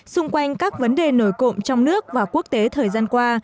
xung quanh các vấn đề nổi cộng trong nước và quốc tế thời gian qua